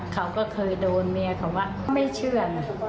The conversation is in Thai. เขาก็เคยโดนเมียเขาว่าไม่เชื่อนะ